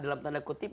dalam tanda kutip